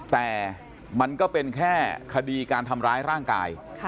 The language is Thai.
แต่มันก็เป็นแค่คดีการทำร้ายร่างกาย